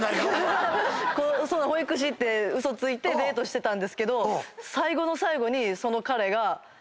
保育士って嘘ついてデートしてたんですけど最後の最後にその彼が。え！